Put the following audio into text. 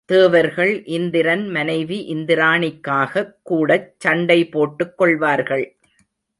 தேவர்கள் இந்திரன் மனைவி இந்திராணிக்காகக் கூடச் சண்டை போட்டுக் கொள்வார்கள்.